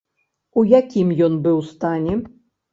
У якім ён быў стане?